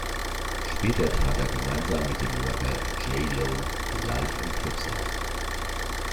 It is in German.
Später trat er gemeinsam mit dem Rapper Jay Low live in Clubs auf.